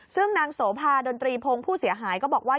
ซึ่งนางโสภาดนตรีพงศ์ผู้เสียหายก็บอกว่า